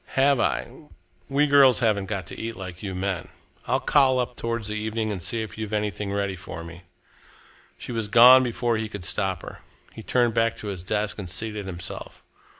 "Have I? We girls haven't got to eat like you men. I'll call up towards the evening and see if you've anything ready for me." She was gone before he could stop her. He turned back to his desk and seated himself.